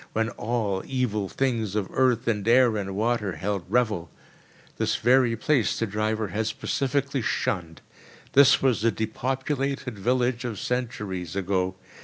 When all evil things of earth and air and water held revel. This very place the driver had specially shunned. This was the depopulated village of centuries ago.